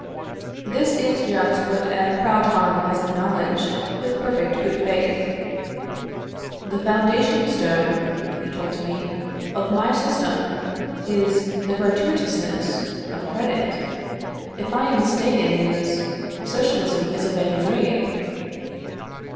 This is just what M. Proudhon has acknowledged, with perfect good faith. "The foundation stone," he told me, "of my system is the gratuitousness of credit. If I am mistaken in this, Socialism is a vain dream."